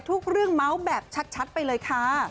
ทุกเรื่องเมาส์แบบชัดไปเลยค่ะ